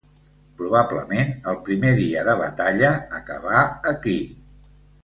Probablement el primer dia de batalla acabà aquí.